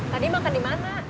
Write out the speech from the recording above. tadi makan di mana